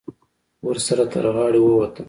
ورسره تر غاړې ووتم.